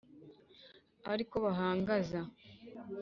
. Ari ko bahangaza.